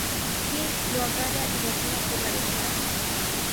Phil lo agarra y lo tira por la ventana.